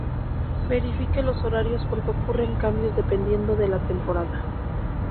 Verifique los horarios porque ocurren cambios dependiendo de la temporada.